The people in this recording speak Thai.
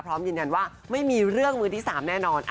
พร้อมยืนยันว่าไม่มีเรื่องมือที่๓แน่นอน